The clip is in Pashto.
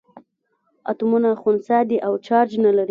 اتومونه خنثي دي او چارج نه لري.